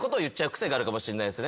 癖があるかもしれないですね。